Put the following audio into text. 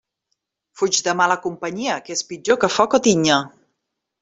Fuig de mala companyia, que és pitjor que foc o tinya.